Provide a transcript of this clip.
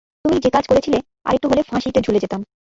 তুমি যেকাজ করেছিলে, আরেকটু হলে ফাঁসিতে ঝুলে যেতাম।